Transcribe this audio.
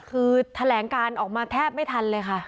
คือแถลงการออกมาแทบไม่ทันเลยค่ะ